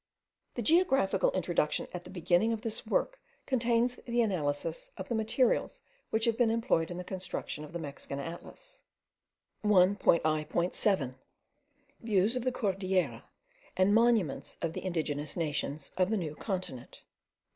The geographical introduction at the beginning of this work contains the analysis of the materials which have been employed in the construction of the Mexican Atlas. 1.I.7. VIEWS OF THE CORDILLERAS, AND MONUMENTS OF THE INDIGENOUS NATIONS OF THE NEW CONTINENT.